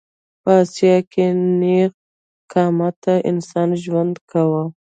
په اسیا کې نېغ قامته انسان ژوند کاوه.